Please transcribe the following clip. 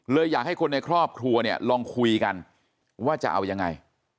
อยากให้คนในครอบครัวเนี่ยลองคุยกันว่าจะเอายังไง